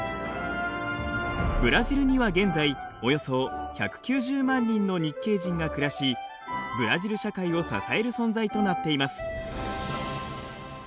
ブラジルには現在およそ１９０万人の日系人が暮らしブラジル社会を支える存在となっています。